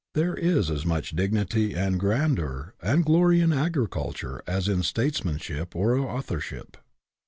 There is as much dignity and grandeur and glory in agriculture as in statesmanship or authorship.